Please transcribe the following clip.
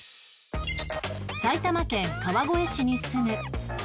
埼玉県川越市に住む